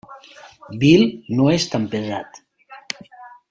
Bill no és tan pesat.